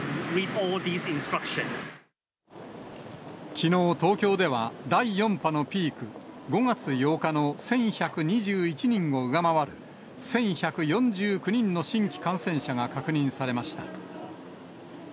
きのう、東京では第４波のピーク、５月８日の１１２１人を上回る、１１４９人の新規感染者が確認されました。